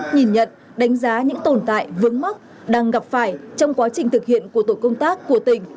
nhìn nhận đánh giá những tồn tại vướng mắc đang gặp phải trong quá trình thực hiện của tổ công tác của tỉnh